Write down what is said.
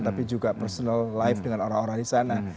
tapi juga personal life dengan orang orang di sana